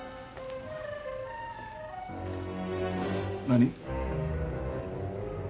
何？